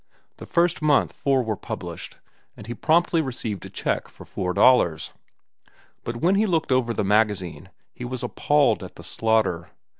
The first month four were published, and he promptly received a check for four dollars; but when he looked over the magazine, he was appalled at the slaughter.